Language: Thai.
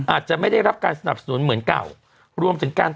อาจจะไม่ได้รับการสนับสนุนเหมือนเก่า